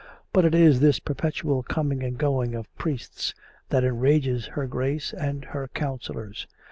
But it is this perpetual coming and going of priests that enrages her Grace and her counsellors.